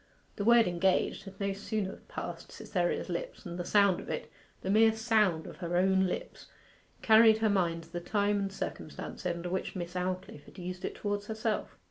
The word 'engaged' had no sooner passed Cytherea's lips than the sound of it the mere sound of her own lips carried her mind to the time and circumstances under which Miss Aldclyffe had used it towards herself.